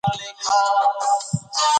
پر بنیاد ادعا کیږي